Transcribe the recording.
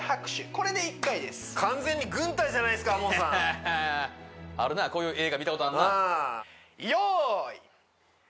これで１回ですじゃないですかＡＭＯＮさんあるなこういう映画見たことあるな用意！